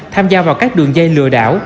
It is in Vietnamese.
tham gia vào các đường dây lừa đảo